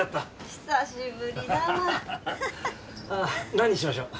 何にしましょう？